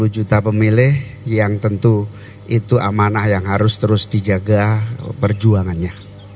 dua puluh juta pemilih yang tentu itu amanah yang harus terus dijaga perjuangannya